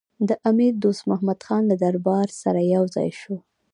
د امیر دوست محمدخان له دربار سره یو ځای شو.